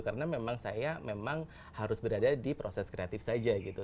karena memang saya memang harus berada di proses kreatif saja gitu